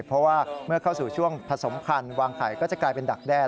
เพราะว่าเมื่อเข้าสู่ช่วงผสมพันธ์วางไข่ก็จะกลายเป็นดักแดน